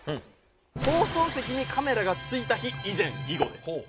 放送席にカメラが付いた日以前以後。